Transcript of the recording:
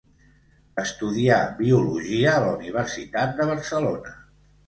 Estudià biologia a la Universitat de Barcelona.